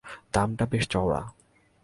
দামটাও যে চওড়া।